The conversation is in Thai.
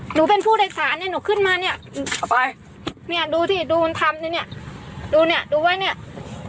หนูเป็นผู้โดยสารเนี่ยหนูขึ้นมาเนี่ยเนี่ยดูที่ดูเขาทำนี่เนี่ย